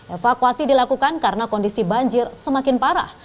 evakuasi dilakukan karena kondisi banjir semakin parah